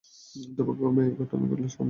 দুর্ভাগ্যক্রমে, এটা ঘটল সামানের সঙ্গে।